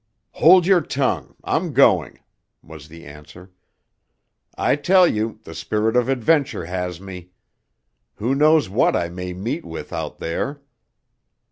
"Hold your tongue! I'm going," was the answer. "I tell you, the spirit of adventure has me. Who knows what I may meet with out there?"